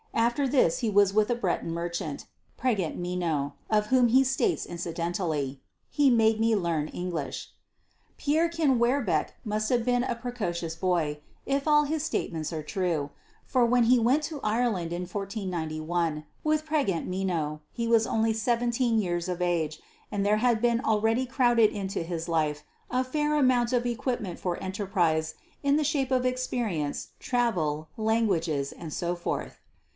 After this he was with a Breton merchant, Pregent Meno, of whom he states incidentally: "he made me learn English." Pierrequin Werbecque must have been a precocious boy if all his statements are true for when he went to Ireland in 1491 with Pregent Meno he was only seventeen years of age, and there had been already crowded into his life a fair amount of the equipment for enterprise in the shape of experience, travel, languages, and so forth.